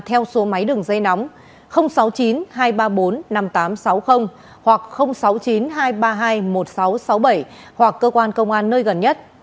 theo số máy đường dây nóng sáu mươi chín hai trăm ba mươi bốn năm nghìn tám trăm sáu mươi hoặc sáu mươi chín hai trăm ba mươi hai một nghìn sáu trăm sáu mươi bảy hoặc cơ quan công an nơi gần nhất